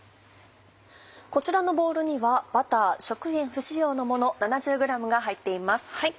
こちらのボウルにはバター食塩不使用のもの７０ｇが入っています。